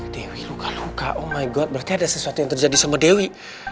dewi luka luka om my got berarti ada sesuatu yang terjadi sama dewi